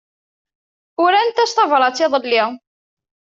Urant-as tabrat iḍelli.